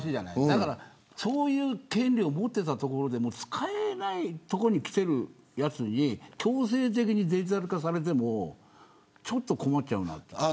だから、そういう権利を持っていたところで使えないところにきているやつに強制的にデジタル化されてもちょっと困っちゃうな。